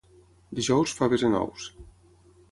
Dijous, faves en ous.